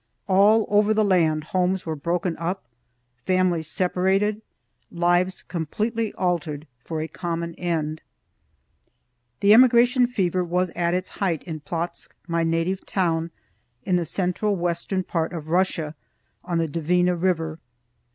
All over the land homes were broken up, families separated, lives completely altered, for a common end. The emigration fever was at its height in Plotzk, my native town, in the central western part of Russia, on the Dvina River.